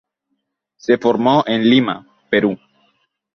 Se formó en Lima, Perú.